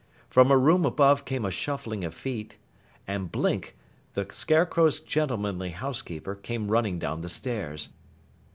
From a room above came a shuffling of feet, and Blink, the Scarecrow's gentlemanly housekeeper, came running down the stairs.